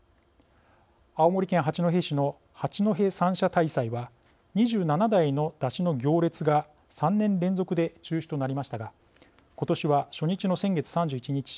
青森県八戸市の八戸三社大祭は２７台の山車の行列が３年連続で中止となりましたが今年は初日の先月３１日